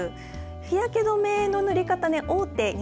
日焼けどめの塗り方ね大手日